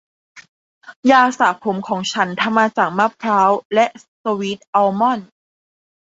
ยาสระผมของฉันทำมาจากมะพร้าวและสวีทอัลมอนด์